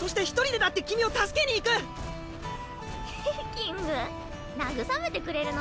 キング慰めてくれるの？